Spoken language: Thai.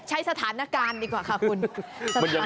ใช้สถานการณ์ดีกว่าค่ะคุณ